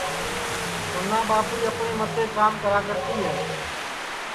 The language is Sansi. سنا ٻاپڑی اپٹؔیں متے کام کراکرتی ہے